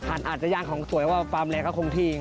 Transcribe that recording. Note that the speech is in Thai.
อาจจะย่างของสวยว่าความแรงก็คงที่